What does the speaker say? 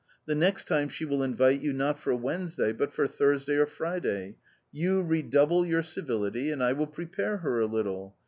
The next time she will invite you, not for Wednesday, but for Thursday or Friday ; you redouble your civility, and I will prepare her a little.